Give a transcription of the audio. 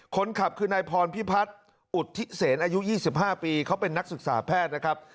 คนขับคือนายพรพิพัฒน์อุทธิเสนอายุ๒๕ปีเขาเป็นนักศึกษาแพทย์นะครับ